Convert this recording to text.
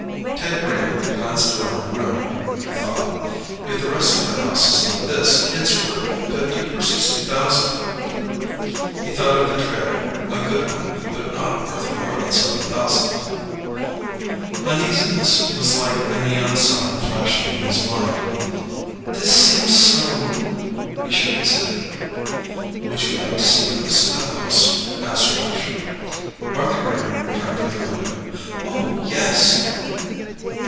Ted Graham glanced around the room, thought: If the rest of the house is like this, it's worth fifty or sixty thousand. He thought of the trailer: A good one, but not worth more than seven thousand. Uneasiness was like a neon sign flashing in his mind. "This seems so ..." He shook his head. "Would you like to see the rest of the house?" asked Rush. Martha Graham turned from the window. "Oh, yes."